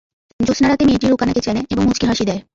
জ্যোৎস্না রাতে মেয়েটি রুকানাকে চেনে এবং মুচকি হাসি দেয়।